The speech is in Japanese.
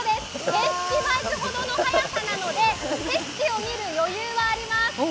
原付バイクほどの速さなので、景色を見る余裕はあります。